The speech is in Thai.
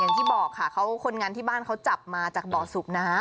อย่างที่บอกค่ะคนงานที่บ้านเขาจับมาจากบ่อสุกนะ